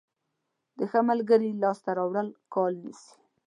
د ښه ملګري لاسته راوړل کال نیسي.